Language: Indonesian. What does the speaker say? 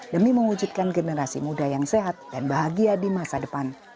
demi mewujudkan generasi muda yang sehat dan bahagia di masa depan